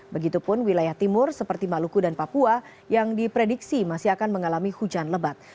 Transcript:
begitupun wilayah timur seperti maluku dan papua yang diprediksi masih akan mengalami hujan lebat